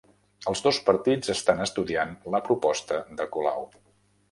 Els dos partits estan estudiant la proposta de Colau